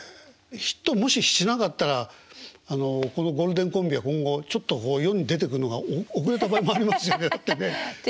ヒットもししなかったらあのこのゴールデンコンビは今後ちょっとこう世に出てくんのが遅れた場合もありますよねだってね。